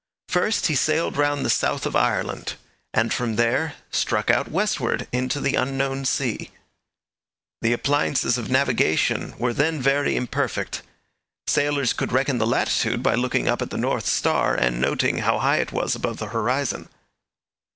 First, he sailed round the south of Ireland, and from there struck out westward into the unknown sea. The appliances of navigation were then very imperfect. Sailors could reckon the latitude by looking up at the North Star, and noting how high it was above the horizon.